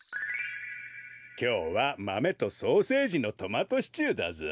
きょうはマメとソーセージのトマトシチューだぞ。